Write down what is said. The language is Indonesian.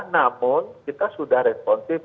namun kita sudah responsif